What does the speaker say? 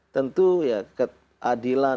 tentu ya keadilan